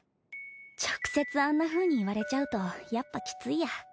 直接あんなふうに言われちゃうとやっぱきついや。